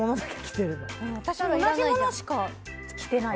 私も同じものだけしか着てない。